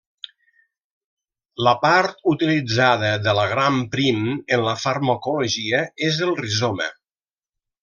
La part utilitzada de l'agram prim en la farmacologia és el rizoma.